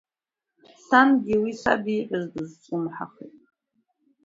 Сангьы уи саб ииҳәаз даазҿлымҳахеит.